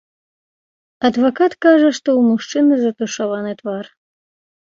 Адвакат кажа, што ў мужчыны затушаваны твар.